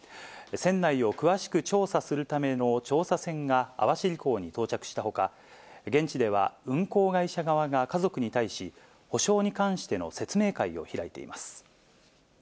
船内を詳しく調査するための調査船が網走港に到着したほか、現地では運航会社側が家族に対し、補償に関しての説明会を開いています。